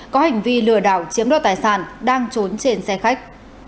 có hành vi lừa đảo chiếm đoạt tài sản đang trốn trên xe khách